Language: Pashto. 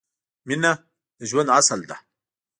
مینه د ژوند اصل ده